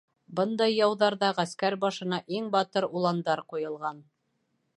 Бындай яуҙарҙа ғәскәр башына иң батыр уландар ҡуйылған.